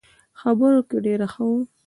خبرو کې ډېر ښه وو.